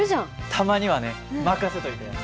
たまにはね。任せといて！